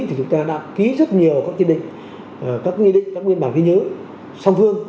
thì chúng ta đã ký rất nhiều các nguyên bản ghi nhớ song phương